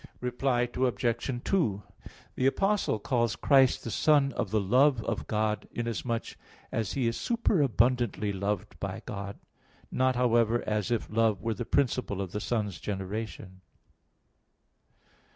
Reply Obj. 2: The Apostle calls Christ the Son of the love of God, inasmuch as He is superabundantly loved by God; not, however, as if love were the principle of the Son's generation.